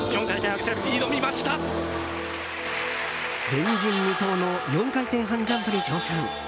前人未到の４回転半ジャンプに挑戦。